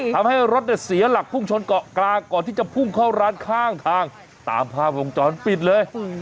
ทำให้รถเนี่ยเสียหลักพุ่งชนเกาะกลางก่อนที่จะพุ่งเข้าร้านข้างทางตามภาพวงจรปิดเลย